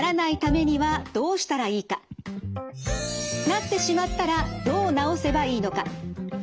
なってしまったらどう治せばいいのか？